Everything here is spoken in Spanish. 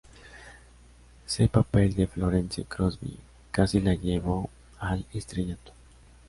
Se papel de "Florence Crosby" casi la llevó al estrellato.